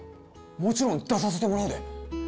もちろん出させてもらうで！